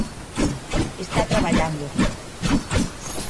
Está traballando.